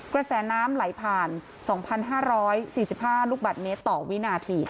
กระแสน้ำไหลผ่าน๒๕๔๕ลูกบาทเมตรต่อวินาที